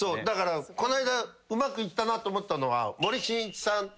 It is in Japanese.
だからこの間うまくいったなと思ったのは。